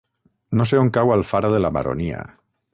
No sé on cau Alfara de la Baronia.